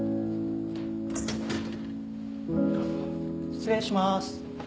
失礼します。